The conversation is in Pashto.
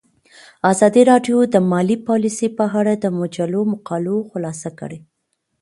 ازادي راډیو د مالي پالیسي په اړه د مجلو مقالو خلاصه کړې.